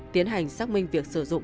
tiến hành xác minh việc sử dụng